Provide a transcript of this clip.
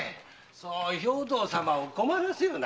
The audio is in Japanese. そう兵藤様を困らせるな。